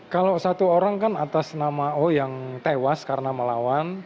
kalau satu orang kan atas nama oh yang tewas karena melawan